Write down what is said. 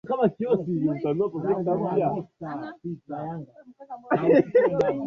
Siwezi enda kusoma huko